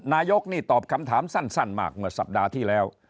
นายกนี่ตอบคำถามสั้นมากเมื่อสัปดาห์ที่แล้ว